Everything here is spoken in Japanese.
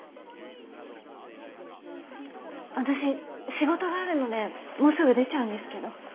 私仕事があるのでもうすぐ出ちゃうんですけど。